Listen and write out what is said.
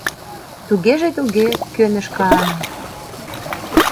— Тугеже туге, — кӧныш Каану.